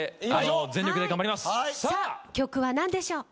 さあ曲は何でしょう？